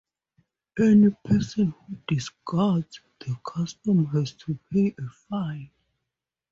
Any person who disregards the custom has to pay a fine.